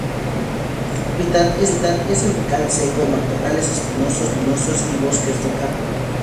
Su hábitat es el bosque tropical seco, matorrales espinosos y bosques de carpe.